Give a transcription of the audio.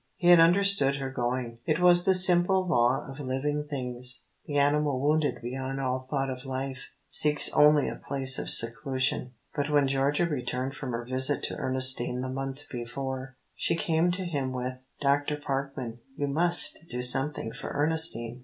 He had understood her going. It was the simple law of living things. The animal wounded beyond all thought of life seeks only a place of seclusion. But when Georgia returned from her visit to Ernestine the month before, she came to him with: "Dr. Parkman, you must do something for Ernestine!"